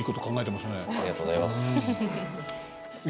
ありがとうございます。